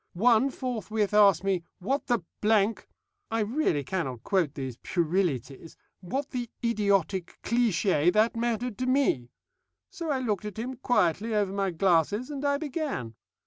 One forthwith asked me 'What the ' I really cannot quote these puerilities 'what the idiotic cliché that mattered to me?' So I looked at him quietly over my glasses, and I began.